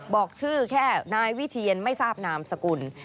บอกชื่อแค่นายวิเชียนไม่ทราบนามสกุล